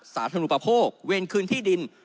สาธุปโภคเวรคืนที่ดิน